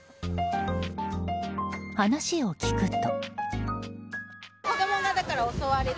話を聞くと。